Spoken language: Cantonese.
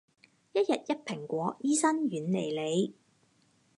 一日一蘋果，醫生遠離你